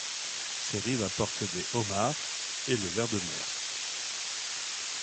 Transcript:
Ses rives apportent des homards et le verre de mer.